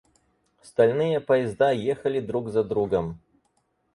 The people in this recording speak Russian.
Стальные поезда ехали друг за другом.